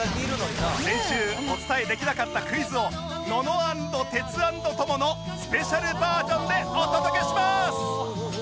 先週お伝えできなかったクイズをのの ａｎｄ テツ ａｎｄ トモのスペシャルバージョンでお届けします